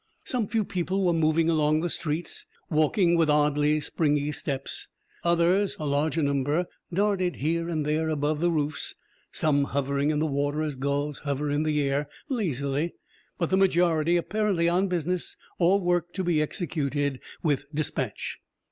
Some few people were moving along the streets, walking with oddly springy steps. Others, a larger number, darted here and there above the roofs, some hovering in the water as gulls hover in the air, lazily, but the majority apparently on business or work to be executed with dispatch.